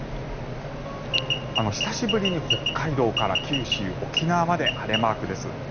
久しぶりに北海道から九州、沖縄まで晴れマークです。